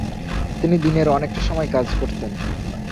তিনি দিনের অনেকটা সময় কাজ করতেন।